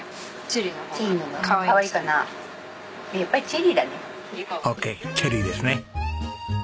チェリーですね。